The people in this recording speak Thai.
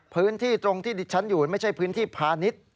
พื้นที่ตรงที่ดิฉันอยู่ไม่ใช่พื้นที่พาณิชย์